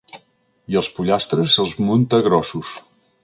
I els pollastres els munta grossos.